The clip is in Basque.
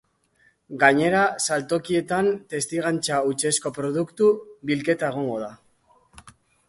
Gainera, saltokietan testigantza hutsezko produktu bilketa egingo da.